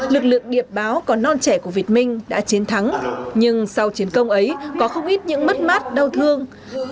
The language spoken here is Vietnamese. lực lượng điệp báo có non trẻ của việt minh đã chiến thắng nhưng sau chiến công ấy có không ít những mất mát đau thương